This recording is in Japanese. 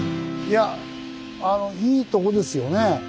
いやいいとこですよね。